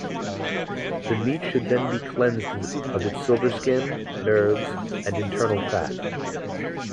The meat should then be cleansed of its silverskin, nerves and internal fat.